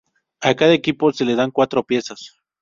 A cada equipo se le dan cuatro piezas.